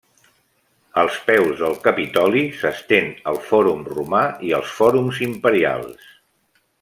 Als peus del Capitoli s'estén el Fòrum Romà i els Fòrums Imperials.